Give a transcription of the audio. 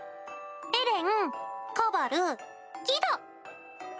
エレンカバルギド。